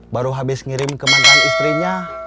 baru habis ngirim ke mantan istrinya